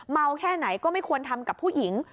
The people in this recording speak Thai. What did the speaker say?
แค่ไหนก็ไม่ควรทำกับผู้หญิง